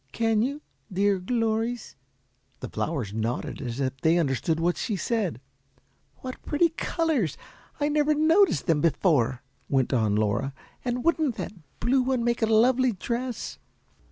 Can you, dear glories?" The flowers nodded, as if they understood what she said. "What pretty colors! I never half noticed them before," went on Laura, "and wouldn't that blue one make a lovely dress?"